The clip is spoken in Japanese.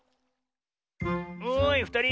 おいふたり。